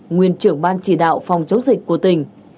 nguyên trưởng ban chỉ đạo phòng chống dịch của tỉnh